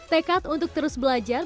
tekad untuk terus belajar